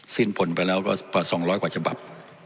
สิ้นผลไปแล้ว๒๐๐กว่าฉบับ